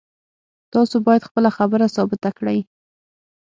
تاسو باید خپله خبره ثابته کړئ